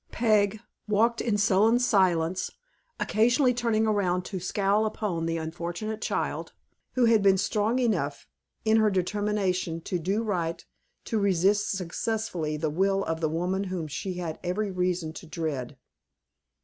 Peg, walked in sullen silence, occasionally turning round to scowl upon the unfortunate child, who had been strong enough, in her determination to do right, to resist successfully the will of the woman whom she had every reason to dread.